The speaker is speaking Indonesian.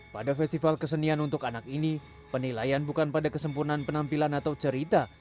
pada festival kesenian untuk anak ini penilaian bukan pada kesempurnaan penampilan atau cerita